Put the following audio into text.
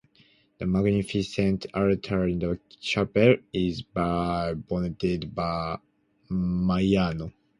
The magnificent altar in the chapel is by Benedetto da Maiano.